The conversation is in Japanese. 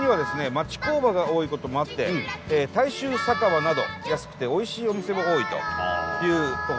町工場が多いこともあって大衆酒場など安くておいしいお店も多いというところですね。